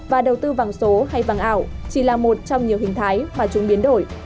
và đầu tư vàng số hay vàng ảo chỉ là một trong nhiều hình thái mà chúng biến đổi